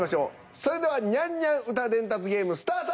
それではニャンニャン歌伝達ゲームスタート！